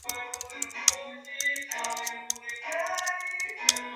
该电影在印度取得巨大的票房收入。